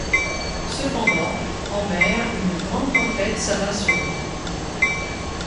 Cependant, en mer une grande tempête s'abat sur eux.